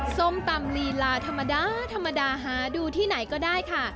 ส้มตำลีลาธรรมดาธรรมดาหาดูที่ไหนก็ได้ค่ะ